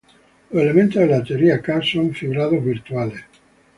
Los elementos de la teoría "K" son fibrados "virtuales".